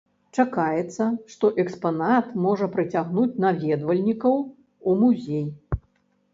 Чакаецца, што экспанат можа прыцягнуць наведвальнікаў у музей.